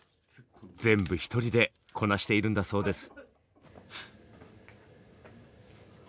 全部一人でこなしているんだそうです！